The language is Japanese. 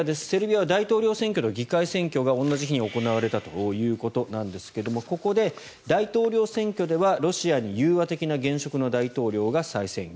セルビアは大統領選挙と議会選挙が同じ日に行われたということなんですがここで大統領選挙ではロシアに融和的な現職の大統領が再選。